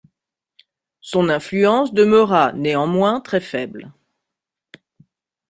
Son influence demeura néanmoins très faible.